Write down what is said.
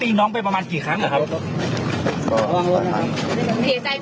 รู้ยังไงท่านตอนที่มิ้นรู้รู้ยังไงครับ